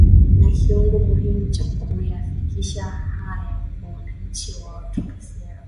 Na kiungo muhimu cha kuyafikisha haya kwa wananchi na watunga sera